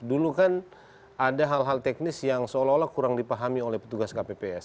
dulu kan ada hal hal teknis yang seolah olah kurang dipahami oleh petugas kpps